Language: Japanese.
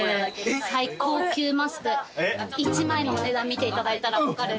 最高級マスク１枚のお値段見ていただいたら分かる。